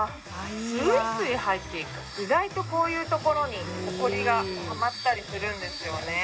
スイスイ入っていく意外とこういうところにほこりがたまったりするんですよね